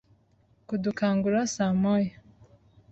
Kudukangura saa moya.